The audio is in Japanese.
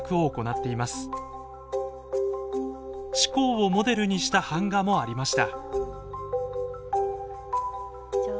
志功をモデルにした板画もありました。